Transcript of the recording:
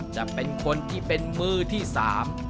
จะเป็นคนที่เป็นมือที่สาม